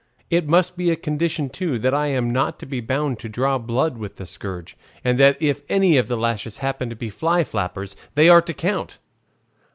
It must be a condition, too, that I am not to be bound to draw blood with the scourge, and that if any of the lashes happen to be fly flappers they are to count.